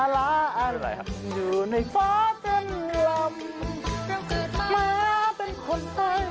วันตอนด้วย